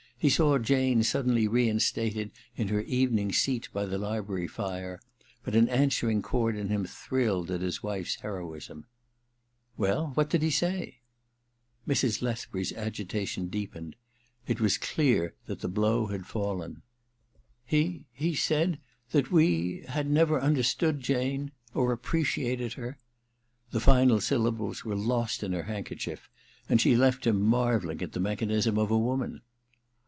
He saw Jane sud denly reinstated in her evening seat by the library fire ; but an answering chord in him thrilled at his wife's heroism. * Well — ^what did he say ?' Mrs. Lethbury 's agitation deepened. It was dear that the blow had fallen. ^He ... he said ... that we ... had never understood Jane ... or appreciated her ...' The final syllables "were lost in her handkerchief, and she left him marvelling at the mechanism of woman.